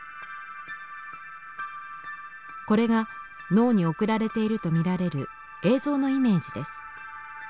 これが脳に送られていると見られる映像のイメージです。